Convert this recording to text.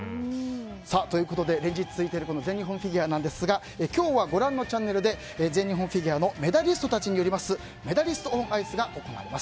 連日続いている今回の全日本フィギュアですが今日はご覧のチャンネルで全日本フィギュアのメダリストによるメダリスト・オン・アイスが行われます。